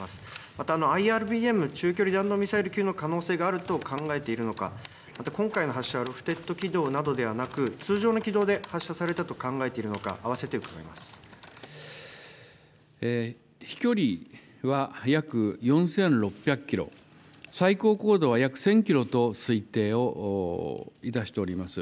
また、ＩＲＢＭ・中距離弾道ミサイル級の可能性があると考えているのか、また今回の発射はロフテッド軌道などではなく、通常の軌道で発射されたと考えているのか、飛距離は約４６００キロ、最高高度は約１０００キロと推定をいたしております。